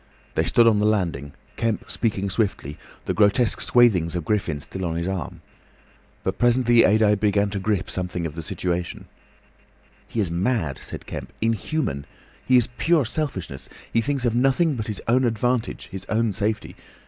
They stood on the landing, Kemp speaking swiftly, the grotesque swathings of Griffin still on his arm. But presently Adye began to grasp something of the situation. "He is mad," said Kemp; "inhuman. He is pure selfishness. He thinks of nothing but his own advantage, his own safety.